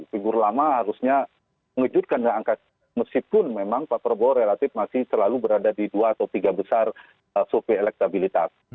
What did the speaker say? figur lama harusnya mengejutkan meskipun memang pak prabowo relatif masih terlalu berada di dua atau tiga besar survei elektabilitas